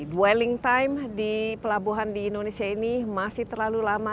dwelling time di pelabuhan di indonesia ini masih terlalu lama